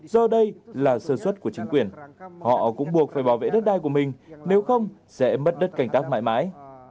do đây là sơ xuất của chính quyền họ cũng buộc phải bảo vệ đất đai của mình nếu không sẽ mất đất cành tác mãi mãi